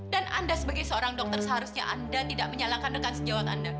dan anda sebagai seorang dokter seharusnya anda tidak menyalahkan rekan sejawat anda